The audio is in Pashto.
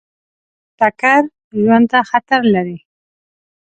ټکر ژوند ته خطر لري.